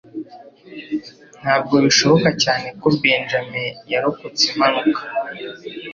Ntabwo bishoboka cyane ko Benjamin yarokotse impanuka.